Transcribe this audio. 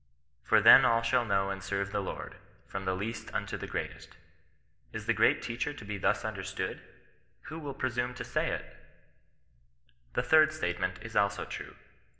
^' For then all shall know and serve ih:e Lord, from the least unto the greatest !!" Is the great Teadier to be l^us understood ? Who will presume* to sayiti The thhrd statement is also true.